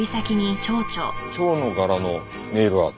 蝶の柄のネイルアート？